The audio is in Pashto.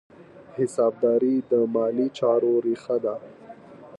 حسابداري د مالي چارو ریښه ده.